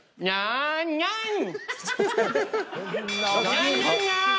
にゃんにゃんにゃん！